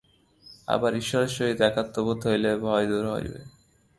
আবার ঈশ্বরের সহিত একত্ববোধ হইলেই ভয় দূর হইবে।